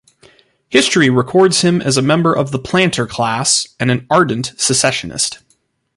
History records him as a member of the planter class and an ardent secessionist.